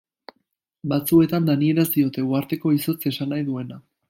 Batzuetan danieraz diote, uharteko izotz esan nahi duena.